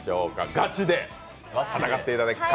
ガチで戦っていただきます。